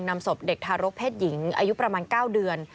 นำศพเด็กทารกเพศหญิงอายุประมาณ๙เดือน